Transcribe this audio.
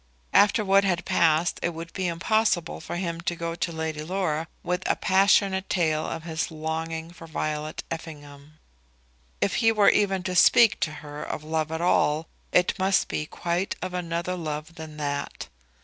After what had passed it would be impossible for him to go to Lady Laura with a passionate tale of his longing for Violet Effingham. If he were even to speak to her of love at all, it must be quite of another love than that.